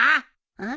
うん？